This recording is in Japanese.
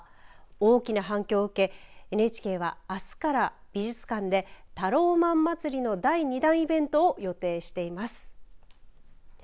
大きな反響を受けＮＨＫは、あすから美術館でタローマンまつりの第２弾イベントを予定しています。